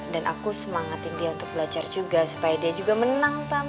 dan aku semangatin dia untuk belajar juga supaya dia juga menang tante